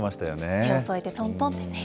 手を添えて、とんとんってね。